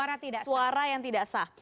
suara suara yang tidak sah